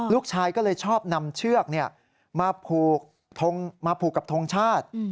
ลูกชายก็เลยชอบนำเชือกมาผูกมาผูกกับทงชาติ